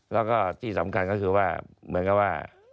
แล้วก็ที่สำคัญก็คือว่าเหมือนกับว่า